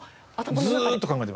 ずっと考えてます。